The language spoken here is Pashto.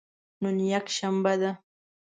نن یکشنبه ده